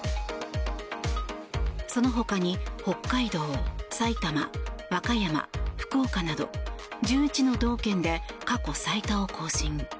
そのほかに北海道、埼玉、和歌山、福岡など１１の道県で過去最多を更新。